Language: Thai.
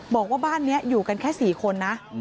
บอกว่าบ้านนี้อยู่กันแค่๔คนนะ